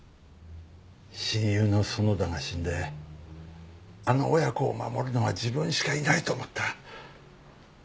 親友の園田が死んであの親子を守るのは自分しかいないと思った。